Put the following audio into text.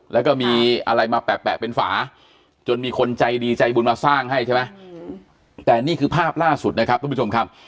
แล้วก็มีอะไรมาแปะเป็นฝาจนมีคนใจดีใจบุญมาสร้างให้ใช่ไหมแต่นี่คือภาพล่าสุดนะครับทุกผู้ชมครับ